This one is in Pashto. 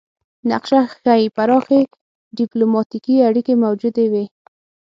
نقشه ښيي پراخې ډیپلوماتیکې اړیکې موجودې وې